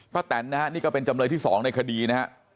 แตนนะฮะนี่ก็เป็นจำเลยที่๒ในคดีนะฮะ